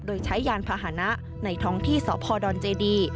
โดยใช้ยานพาหนะในท้องที่สพดเจดี